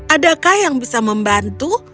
adakah yang bisa membantu